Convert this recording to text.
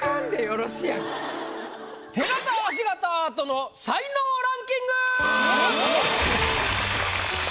手形足形アートの才能ランキング！